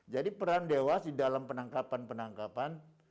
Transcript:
jadi peran dewas di dalam penangkapan penangkapan